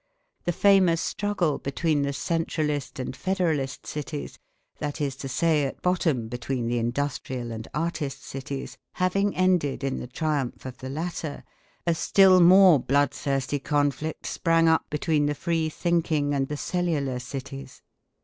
The famous struggle between the centralist and federalist cities, that is to say, at bottom, between the industrial and artist cities, having ended in the triumph of the latter, a still more bloodthirsty conflict sprang up between the free thinking and the cellular cities.